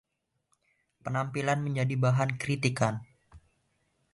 Penampilannya menjadi bahan kritikan.